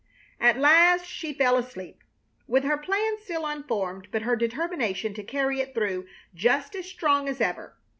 At last she fell asleep, with her plan still unformed but her determination to carry it through just as strong as ever.